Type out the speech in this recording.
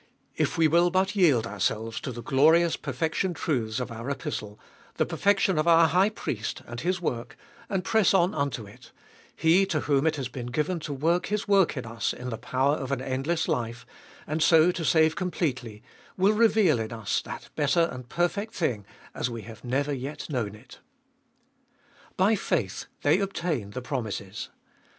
If we will but yield ourselves to the glorious perfection truths of our Epistle, the perfection of our High Priest and His work, and press on unto it, He to whom it has been given to work His work in us in the power of an endless life, and so to save completely, will reveal in us that better and perfect thing as we have never yet known it. By faith they obtained the promises.